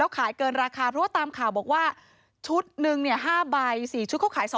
แล้วขายเกินราคาเพราะว่าตามข่าวบอกว่าชุดนึงเนี่ย๕ใบ๔ชุดเขาขาย๒๒๐๐